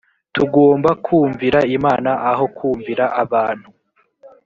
tugomba kumvira imana aho kumvira abantu